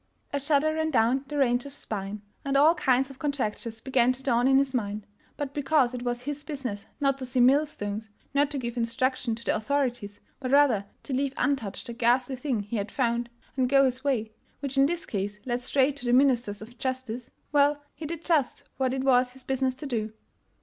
A shudder ran down the ranger's spine, and all kinds of conjectures began to dawn in his mind. But because it was his business, not to see millstones, not to give instruction to the authorities, but rather to leave untouched the ghastly thing he had found and go his way, which in this case led straight to the ministers of justice — well, he did just what it was his business to do.